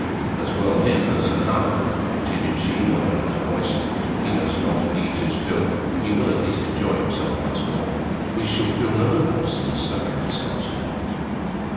"As well him as another," continued she, lowering her voice. "He doesn't often eat his fill. He will at least enjoy himself once more. We shall feel no remorse in stuffing ourselves now."